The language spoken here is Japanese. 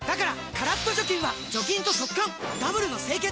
カラッと除菌は除菌と速乾ダブルの清潔！